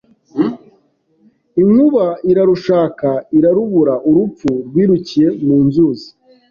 Inkuba irarushaka irarubura Urupfu rwirukiye mu nzuzi